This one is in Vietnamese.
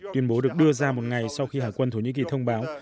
tuyên bố được đưa ra một ngày sau khi hải quân thổ nhĩ kỳ thông báo